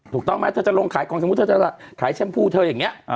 ถูกต้องไหมเธอจะลงขายของสมมุติเธอจะขายแชมพูเธออย่างนี้